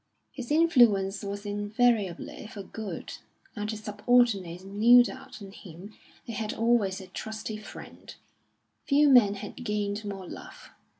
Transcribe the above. His influence was invariably for good, and his subordinates knew that in him they had always a trusty friend; few men had gained more love.